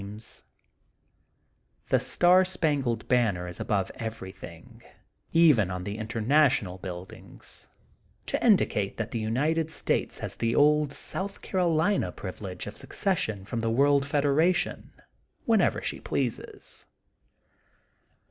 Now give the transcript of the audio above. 78 THE GOLDEN BOOK OF SPRINGFIELD The Star Spangled Banner is above every thingy even on the International buildings, to indicate that the United States has the old South Carolina privilege of secession from the "World Federation, whenever she pleases.